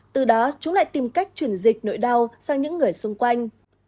từ đó chúng lại tìm cách chuyển dịch nội đau sang những người xung quanh